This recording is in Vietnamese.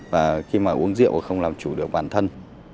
và khi mà uống rượu không làm chủ được bản thân